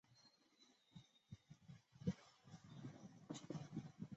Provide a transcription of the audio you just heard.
秦军护送夷吾回国即位。